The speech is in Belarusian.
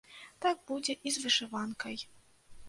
Так будзе і з вышыванкай.